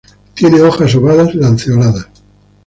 Tiene hojas ovadas-lanceoladas.